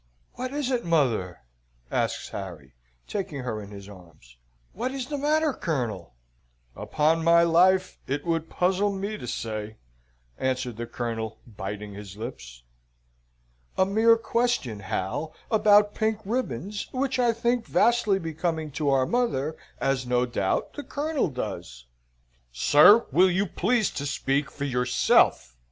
"What is it, mother?" asks Harry, taking her in his arms. "What is the matter, Colonel?" "Upon my life, it would puzzle me to say," answered the Colonel, biting his lips. "A mere question, Hal, about pink ribbons, which I think vastly becoming to our mother; as, no doubt, the Colonel does." "Sir, will you please to speak for yourself?"